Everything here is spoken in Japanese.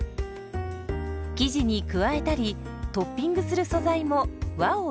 生地に加えたりトッピングする素材も和を意識。